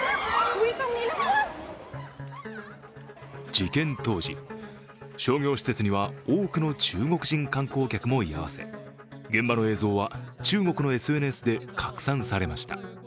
事件当時、商業施設には多くの中国人観光客も居合わせ現場の映像は中国のＳＮＳで拡散されました。